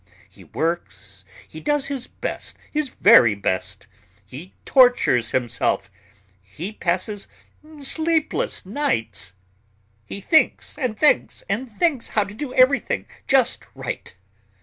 He works, he does his best, his very best, he tortures himself, he passes sleepless nights, he thinks and thinks and thinks how to do everything just right.